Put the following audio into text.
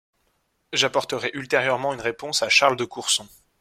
J’apporterai ultérieurement une réponse à Charles de Courson.